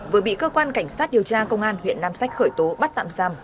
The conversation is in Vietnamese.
vừa bị cơ quan cảnh sát điều tra công an huyện nam sách khởi tố bắt tạm giam